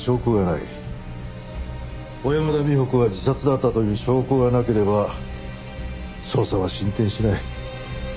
小山田美穂子が自殺だったという証拠がなければ捜査は進展しない。